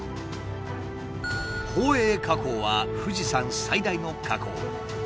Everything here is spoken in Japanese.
宝永火口は富士山最大の火口。